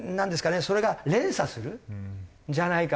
それが連鎖するんじゃないかなと思います。